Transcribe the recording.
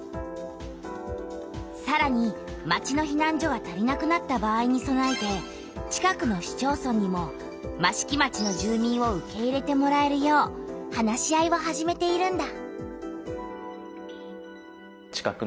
さらに町のひなん所が足りなくなった場合にそなえて近くの市町村にも益城町の住民を受け入れてもらえるよう話し合いを始めているんだ。